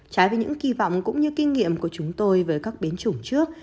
trái với những kỳ vọng cũng như kinh nghiệm của chúng tôi với các biến chủng trước